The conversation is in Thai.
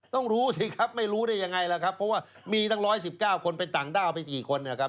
ต้องรู้สิครับไม่รู้ได้ยังไงล่ะครับเพราะว่ามีตั้ง๑๑๙คนเป็นต่างด้าวไปกี่คนนะครับ